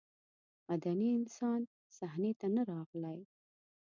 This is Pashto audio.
مدني انسان صحنې ته نه راغلی.